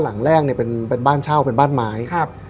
หลังแรกเนี่ยเป็นบ้านเช่าบ้านไม้